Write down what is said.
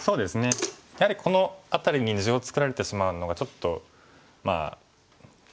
やはりこの辺りに地を作られてしまうのがちょっとまあ大きく見える。